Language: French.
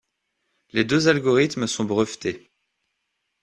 Les deux algorithmes sont brevetés.